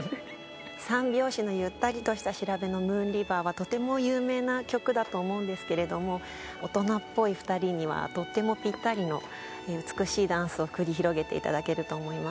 ３拍子のゆったりとした調べの『ＭｏｏｎＲｉｖｅｒ』はとても有名な曲だと思うんですけれども大人っぽい２人にはとってもぴったりの美しいダンスを繰り広げていただけると思います。